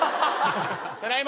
ただいま。